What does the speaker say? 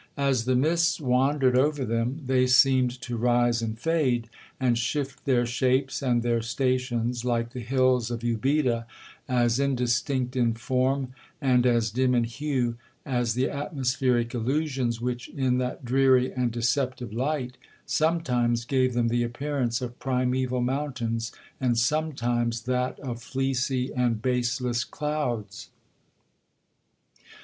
As the mists wandered over them, they seemed to rise and fade, and shift their shapes and their stations like the hills of Ubeda,1 as indistinct in form and as dim in hue, as the atmospheric illusions which in that dreary and deceptive light sometimes gave them the appearance of primeval mountains, and sometimes that of fleecy and baseless clouds. 1 Vide Cervantes, apud Don Quixote de Collibus Ubedæ.